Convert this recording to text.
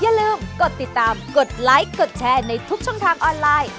อย่าลืมกดติดตามกดไลค์กดแชร์ในทุกช่องทางออนไลน์